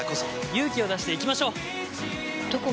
勇気を出していきましょう。